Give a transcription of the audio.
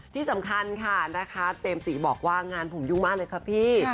ที่สำคัญค่ะนะคะเจมส์จีบอกว่างานผมยุ่งมากเลยค่ะพี่